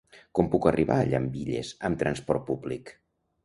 Com puc arribar a Llambilles amb trasport públic?